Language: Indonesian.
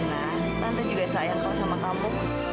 tante juga sayang sama kamu